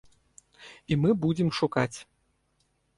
І мы будзем шукаць!